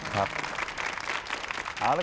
ขอบพระคุณค่ะ